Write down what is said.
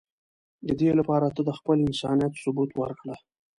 د دی لپاره ته د خپل انسانیت ثبوت ورکړه.